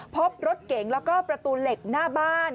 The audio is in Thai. พบรถเก๋งแล้วก็ประตูเหล็กหน้าบ้าน